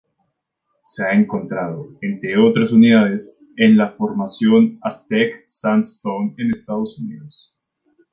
Se ha encontrado, entre otras unidades, en la formación Aztec Sandstone en Estados Unidos.